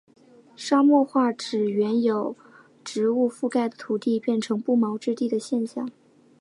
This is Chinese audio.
沙漠化指原由植物覆盖的土地变成不毛之地的现象。